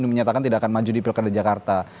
menyatakan tidak akan maju di pilkada jakarta